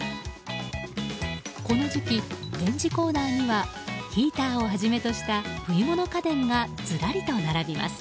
この時期、展示コーナーにはヒーターをはじめとした冬物家電がずらりと並びます。